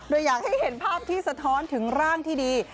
โดยอยากให้เห็นภาพที่สะท้อนถึงร่างที่ดี